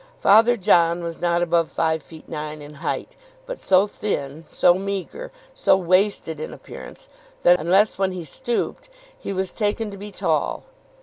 Father John was not above five feet nine in height, but so thin, so meagre, so wasted in appearance, that, unless when he stooped, he was taken to be tall.